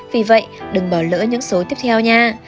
vì vậy đừng bỏ lỡ những số tiếp theo nha